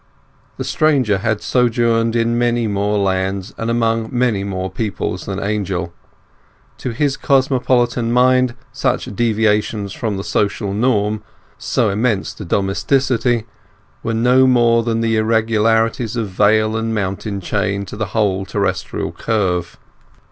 The stranger had sojourned in many more lands and among many more peoples than Angel; to his cosmopolitan mind such deviations from the social norm, so immense to domesticity, were no more than are the irregularities of vale and mountain chain to the whole terrestrial curve.